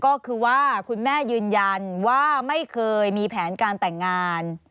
ก็คือว่าคุณแม่ยืนยันว่าไม่เคยมีแผนการแต่งงาน